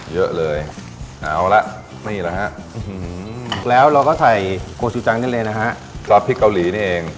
เยอะเลยเอาละนี่แหละฮะแล้วเราก็ใส่โกสุจังนี่เลยนะฮะซอสพริกเกาหลีนี่เอง